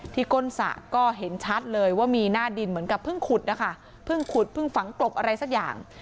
ก้นสระก็เห็นชัดเลยว่ามีหน้าดินเหมือนกับเพิ่งขุดนะคะเพิ่งขุดเพิ่งฝังกลบอะไรสักอย่าง